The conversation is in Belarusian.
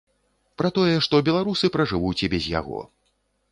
Пра тое, што беларусы пражывуць і без яго.